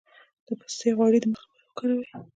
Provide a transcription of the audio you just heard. د پسته غوړي د مخ لپاره وکاروئ